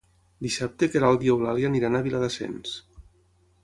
Dissabte na Queralt i n'Eulàlia aniran a Viladasens.